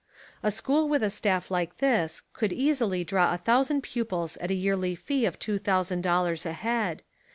A school with a staff like this would easily draw a thousand pupils at a yearly fee of two thousand dollars a head.